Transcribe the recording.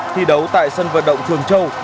thi đấu tại sân vận động thường châu